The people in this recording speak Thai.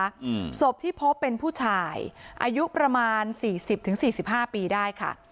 อืมศพที่พบเป็นผู้ชายอายุประมาณสี่สิบถึงสี่สิบห้าปีได้ค่ะ